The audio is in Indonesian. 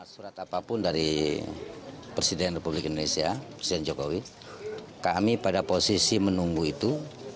surat apapun dari presiden republik indonesia presiden jokowi kami pada posisi menunggu itu